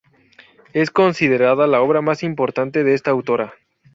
Es considerada la obra más importante de esta autora.